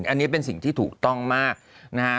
อันนี้เป็นสิ่งที่ถูกต้องมากนะฮะ